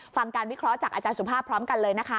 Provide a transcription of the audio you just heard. ฟังการวิเคราะห์จากอาจารย์สุภาพพร้อมกันเลยนะคะ